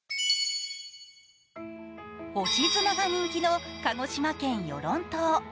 星砂が人気の鹿児島県与論島。